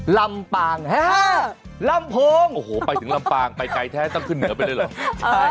ลำปางลำโพงโอ้โหไปถึงลำปางไปไกลแท้ต้องขึ้นเหนือไปเลยเหรอ